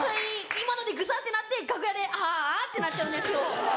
今のでグサってなって楽屋で「ああ」ってなっちゃうんですよ。